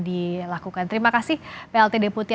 dilakukan terima kasih plt deputi